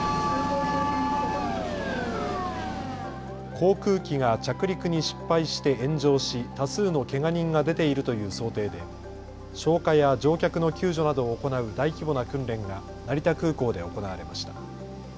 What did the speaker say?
航空機が着陸に失敗して炎上し多数のけが人が出ているという想定で消火や乗客の救助などを行う大規模な訓練が成田空港で行われました。